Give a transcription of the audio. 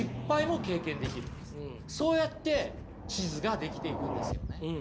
そうやって地図が出来ていくんですよね。